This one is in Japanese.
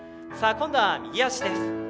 今度は、右足です。